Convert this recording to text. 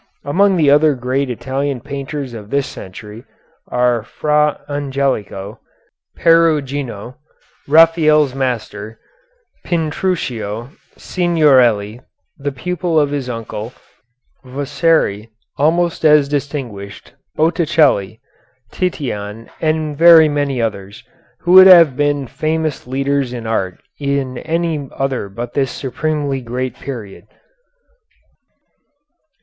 Among the other great Italian painters of this century are Fra Angelico, Perugino, Raphael's master, Pinturicchio, Signorelli, the pupil of his uncle, Vasari, almost as distinguished, Botticelli, Titian, and very many others, who would have been famous leaders in art in any other but this supremely great period.